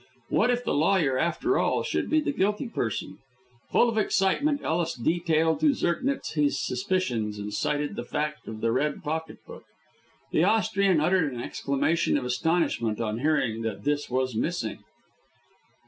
What if the lawyer, after all, should be the guilty person? Full of excitement Ellis detailed to Zirknitz his suspicions, and cited the fact of the red pocket book. The Austrian uttered an exclamation of astonishment on hearing that this was missing.